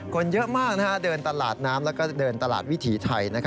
คนเยอะมากเดินตลาดน้ำแล้วก็เดินตลาดวิถีไทย